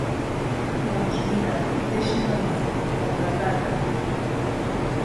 Doncs mira, deixa'm a mi —contraataca—.